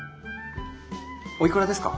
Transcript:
おいくらですか？